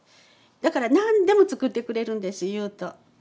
だから何でも作ってくれるんです言うと。